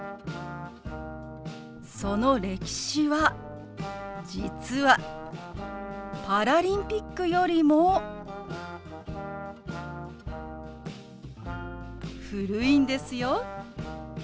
その歴史は実はパラリンピックよりも古いんですよ。